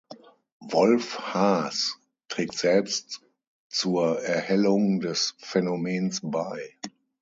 Wolf Haas trägt selbst zur Erhellung des Phänomens bei.